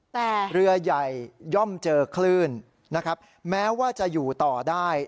แต่เรือใหญ่ย่อมเจอคลื่นนะครับแม้ว่าจะอยู่ต่อได้